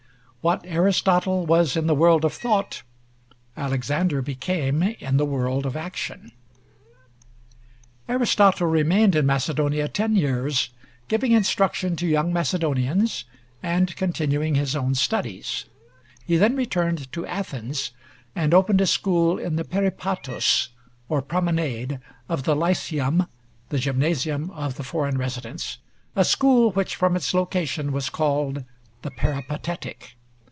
What Aristotle was in the world of thought, Alexander became in the world of action. [Illustration: ARISTOTLE.] Aristotle remained in Macedonia ten years, giving instruction to young Macedonians and continuing his own studies. He then returned to Athens, and opened a school in the peripatos, or promenade, of the Lyceum, the gymnasium of the foreign residents, a school which from its location was called the Peripatetic.